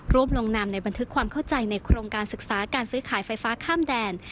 ลงนามในบันทึกความเข้าใจในโครงการศึกษาการซื้อขายไฟฟ้าข้ามแดน